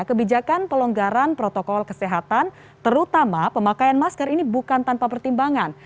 kebijakan pelonggaran protokol kesehatan terutama pemakaian masker ini bukan tanpa pertimbangan